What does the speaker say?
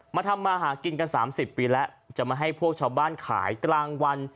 ทำมาหากินกัน๓๐ปีแล้วจะมาให้พวกชาวบ้านขายกลางวัน